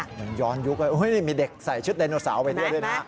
เหมือนย้อนยุคมีเด็กใส่ชุดแดนโนสาวไปเที่ยวด้วยนะ